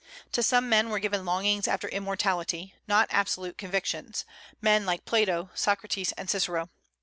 To some men were given longings after immortality, not absolute convictions, men like Plato, Socrates, and Cicero.